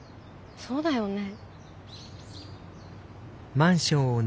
そうだよね。